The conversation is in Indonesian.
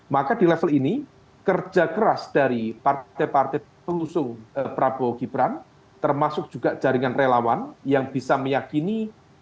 maka di level ini kerja keras dari partai partai pengusung prabowo gibran termasuk juga jaringan relawan yang bisa meyakini